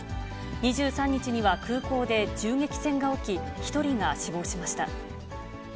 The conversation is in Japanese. ２３日には、空港で銃撃戦が起き、１人が死亡しました。